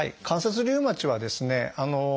関節リウマチはですね